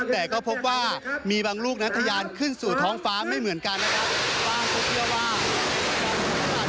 แต่ก็พบว่ามีบางลูกนั้นทะยานขึ้นสู่ท้องฟ้าไม่เหมือนกันนะครับ